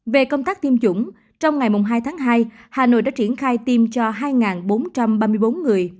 về công tác tiêm chủng trong ngày hai tháng hai hà nội đã triển khai tiêm cho hai bốn trăm ba mươi bốn người